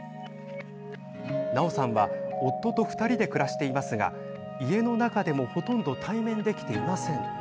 奈緒さんは夫と２人で暮らしていますが家の中でもほとんど対面できていません。